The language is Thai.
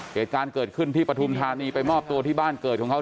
เหตุการณ์เกิดขึ้นที่ปฐุมธานีไปมอบตัวที่บ้านเกิดของเขา